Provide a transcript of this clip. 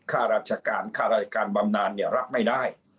ค่าราชการค่ารายการบำนานเนี่ยรับไม่ได้